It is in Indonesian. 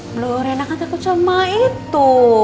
belum rena kan takut sama itu